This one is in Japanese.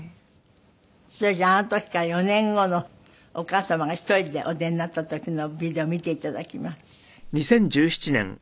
それじゃああの時から４年後のお母様が１人でお出になった時のビデオ見ていただきます。